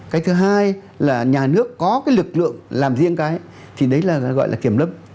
cái thứ hai là nhà nước có cái lực lượng làm riêng cái thì đấy là gọi là kiểm lâm